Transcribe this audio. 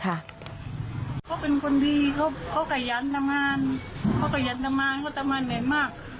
เขาเป็นคนดีเขากระยันตรรมานเขากระยันตรรมานเขากระยันตรรมานใหม่มาก